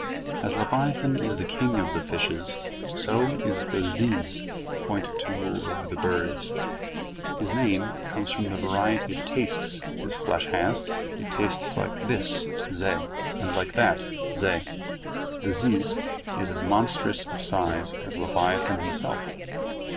As leviathan is the king of fishes, so the ziz is appointed to rule over the birds. His name comes from the variety of tastes his flesh has; it tastes like this, zeh, and like that, zeh. The ziz is as monstrous of size as leviathan himself.